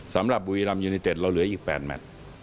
สำหรับบุรีรำยูเนเต็ดเราเหลืออีก๘แมท